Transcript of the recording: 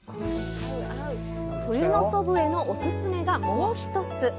冬の祖父江のお勧めが、もう一つ。